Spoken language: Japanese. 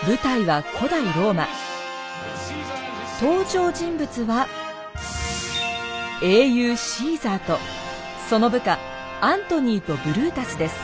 登場人物は英雄シーザーとその部下アントニーとブルータスです。